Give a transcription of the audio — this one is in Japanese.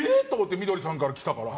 美どりさんから来たから。